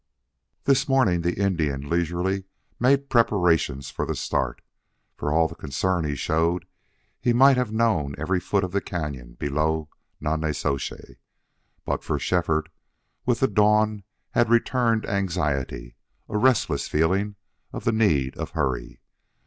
This morning the Indian leisurely made preparations for the start. For all the concern he showed he might have known every foot of the cañon below Nonnezoshe. But, for Shefford, with the dawn had returned anxiety, a restless feeling of the need of hurry.